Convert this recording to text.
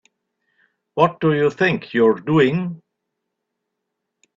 What do you think you're doing?